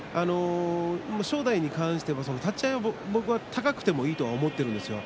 正代に関しては立ち合いは高くてもいいと思っています。